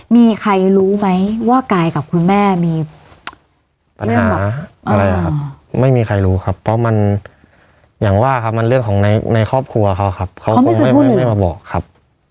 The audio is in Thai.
มีใครรู้ไหมว่ากายกับคุณแม่มีปัญหาอะไรครับไม่มีใครรู้ครับเพราะมันอย่างว่าครับมันเรื่องของในครอบครัวเขาครับเขาคงไม่มาบอกครับ